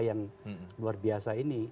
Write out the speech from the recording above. yang luar biasa ini